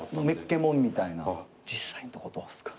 実際のとこどうっすか？